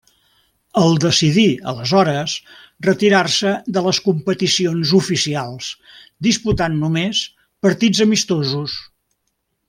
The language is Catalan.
El decidí, aleshores, retirar-se de les competicions oficials disputant només partits amistosos.